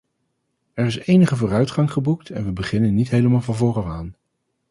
Er is enige vooruitgang geboekt en we beginnen niet helemaal van voor af aan.